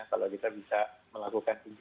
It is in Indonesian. kalau kita bisa melakukan